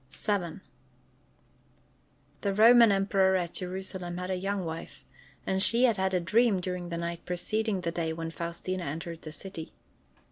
VII The Roman governor at Jerusalem had a young wife, and she had had a dream during the night preceding the day when Faustina entered the city.